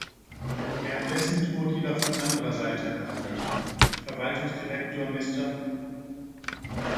Währenddessen droht jedoch von anderer Seite Ärger: Der Verwaltungsdirektor Mr.